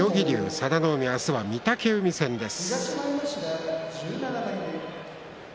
佐田の海、明日は御嶽海戦です。